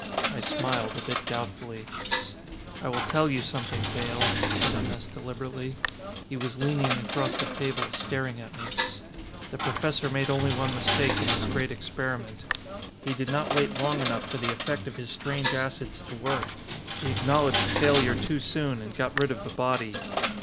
I smiled, a bit doubtfully. "I will tell you something, Dale," said M. S. deliberately. He was leaning across the table, staring at me. "The Professor made only one mistake in his great experiment. He did not wait long enough for the effect of his strange acids to work. He acknowledged failure too soon, and got rid of the body."